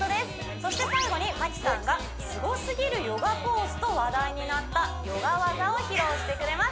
そして最後に麻希さんがすごすぎるヨガポーズと話題になったヨガ技を披露してくれます